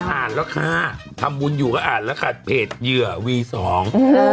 อ่านแล้วค่ะทำบุญอยู่ก็อ่านแล้วค่ะเพจเหยื่อวีสอง